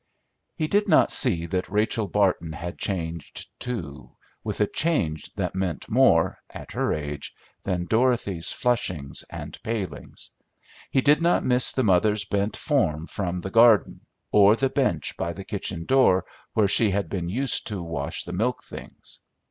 He did not see that Rachel Barton had changed, too, with a change that meant more, at her age, than Dorothy's flushings and palings. He did not miss the mother's bent form from the garden, or the bench by the kitchen door where she had been used to wash the milk things.